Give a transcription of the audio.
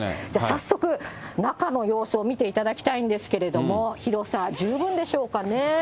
早速、中の様子を見ていただきたいんですけれども、広さ十分でしょうかね。